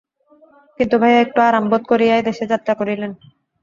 কিন্তু ভায়া একটু আরাম বোধ করিয়াই দেশে যাত্রা করিলেন।